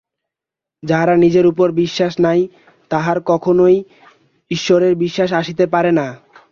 যাহার নিজের উপর বিশ্বাস নাই, তাহার কখনই ঈশ্বরে বিশ্বাস আসিতে পারে না।